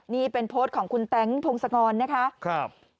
นี่เป็นโพสต์ของคุณแต๊งพงศกรนะคะ